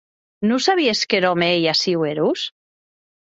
Non sabies qu’er òme ei aciu erós?